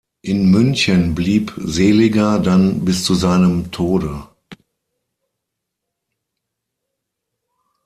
In München blieb Seeliger dann bis zu seinem Tode.